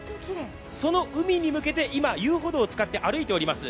その海に向けて、今、遊歩道を歩いています。